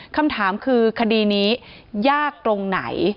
คำถามคือคดีนี้ยากตรงไหน